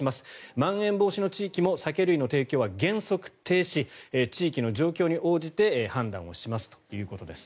まん延防止の地域も酒類の提供は原則停止地域の状況に応じて判断をしますということです。